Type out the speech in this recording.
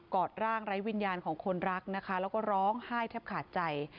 อดร่างไร้วิญญาณของคนรักนะคะแล้วก็ร้องไห้แทบขาดใจ